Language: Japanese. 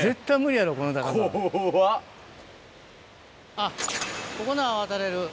あっここなら渡れる。